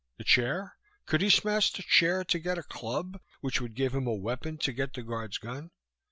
The chair? Could he smash the chair to get a club, which would give him a weapon to get the guard's gun?...